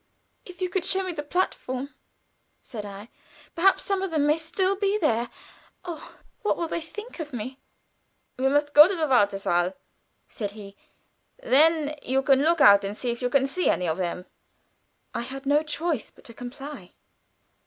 "If you would show me the platform," said I. "Perhaps some of them may still be there. Oh, what will they think of me?" "We must go to the wartesaal," said he. "Then you can look out and see if you see any of them." I had no choice but to comply.